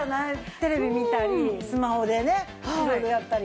テレビ見たりスマホでね色々やったり。